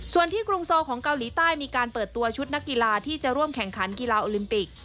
ส่วนที่กรุงโซของเกาหลีใต้มีการเปิดตัวชุดนักกีฬาที่จะร่วมแข่งขันกีฬาโอลิมปิก